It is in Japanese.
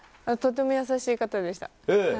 とても優しい方でした。